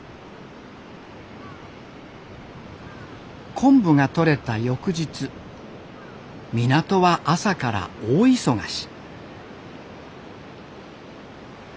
昆布がとれた翌日港は朝から大忙し。